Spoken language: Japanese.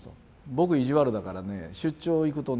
僕意地悪だからね出張行くとね